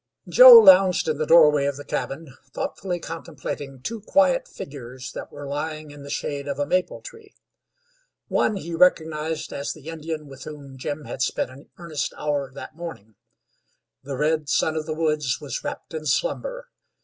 Joe lounged in the doorway of the cabin, thoughtfully contemplating two quiet figures that were lying in the shade of a maple tree. One he recognized as the Indian with whom Jim had spent an earnest hour that morning; the red son of the woods was wrapped in slumber.